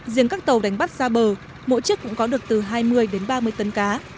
riêng các tàu đánh bắt ra bờ mỗi chiếc cũng có được từ hai mươi đến ba mươi tấn cá